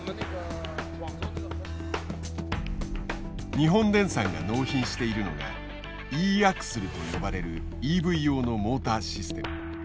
日本電産が納品しているのが「イーアクスル」と呼ばれるＥＶ用のモーターシステム。